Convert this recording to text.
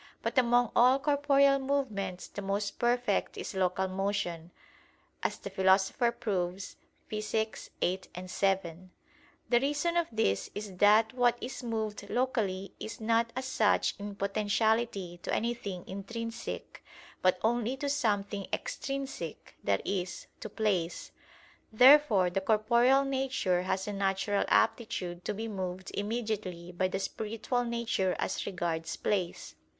But among all corporeal movements the most perfect is local motion, as the Philosopher proves (Phys. viii, 7). The reason of this is that what is moved locally is not as such in potentiality to anything intrinsic, but only to something extrinsic that is, to place. Therefore the corporeal nature has a natural aptitude to be moved immediately by the spiritual nature as regards place.